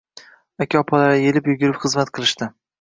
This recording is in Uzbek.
Aka-opalari elib-yugurib xizmat qilishdi